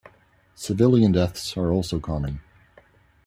Civilian deaths are also common.